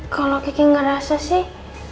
kalau kiki gak rasa sih